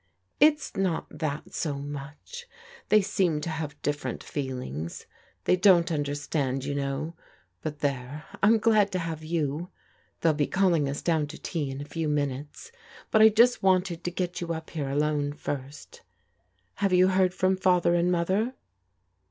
" It's not that so much. They seem to have different feelings. They don't understand, you know; but there, I'm glad to have you. They'll be calling us down to tea in a few minutes, but I just wanted to get you up here alone first Have you heard from Father and Mother?"